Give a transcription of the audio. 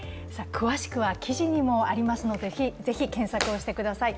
詳しくは記事にもありますので是非検索をしてください。